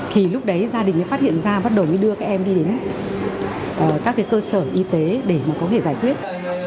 thì lúc đấy gia đình phát hiện ra bắt đầu đưa các em đi đến các cơ sở y tế để có thể giải quyết